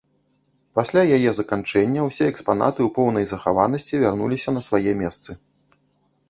Пасля яе заканчэння ўсе экспанаты ў поўнай захаванасці вярнуліся на свае месцы.